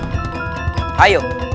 kita akan lanjutkan pencarian